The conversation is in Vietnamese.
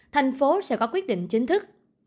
thành phố sẽ có quyết định chính thức